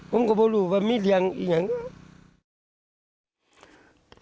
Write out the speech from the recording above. มึงก็ไม่รู้ว่ามิเรียงอย่างนี้